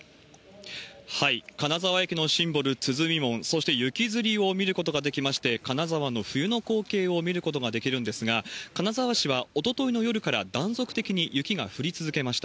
金沢駅のシンボル、つづみもん、そして雪づりを見ることができまして、金沢の冬の光景を見ることができるんですが、金沢市はおとといの夜から断続的に雪が降り続けました。